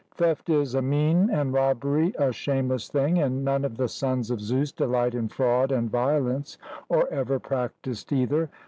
Theft is a mean, and robbery a shameless thing; and none of the sons of Zeus delight in fraud and violence, or ever practised either.